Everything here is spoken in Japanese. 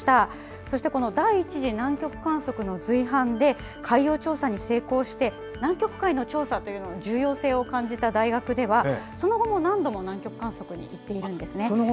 そして、第１次南極観測の随伴で海洋調査に成功して南極海の調査というものの重要性を感じた大学ではその後も何度も観測に行っているんですね。